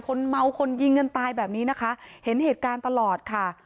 คนเมาคนยิงกันตายแบบนี้นะคะเห็นเหตุการณ์ตลอดค่ะ